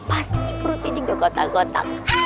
pasti perutnya juga gotak gotak